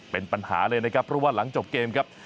เป็นปัญหาเลยนะครับเพราะว่าหลังจบเกมครับ